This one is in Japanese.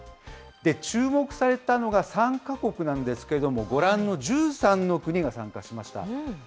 注目されたのが参加国なんですけれども、ご覧の１３の国が参加しました。